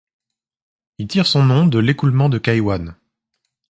Il tire son nom de l'écoulement de Kaiwan.